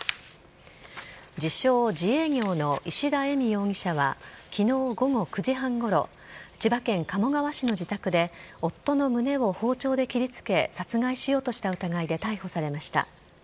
自称、自営業の石田エミ容疑者はきのう午後９時半ごろ、千葉県鴨川市の自宅で、夫の胸を包丁で切りつけ、殺害しようとした疑いで逮捕されました。